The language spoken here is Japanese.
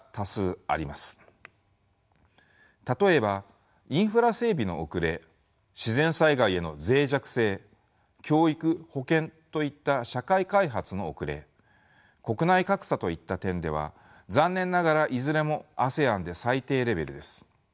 例えばインフラ整備の遅れ自然災害への脆弱性教育・保健といった社会開発の遅れ国内格差といった点では残念ながらいずれもＡＳＥＡＮで最低レベルです。